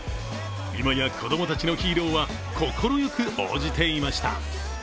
今や子供たちのヒーローは、快く応じていました。